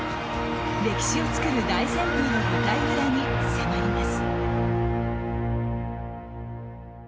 歴史をつくる大旋風の舞台裏に迫ります。